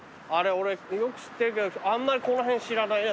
俺よく知ってるけどあんまりこの辺知らないな。